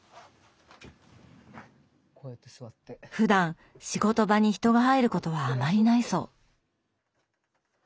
ふだん仕事場に人が入ることはあまりないそう。